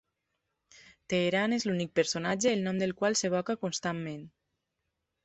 Teheran és l'únic personatge el nom del qual s'evoca constantment.